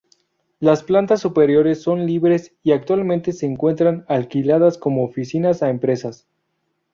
Las plantas superiores son libres y actualmente se encuentran alquiladas como oficinas a empresas.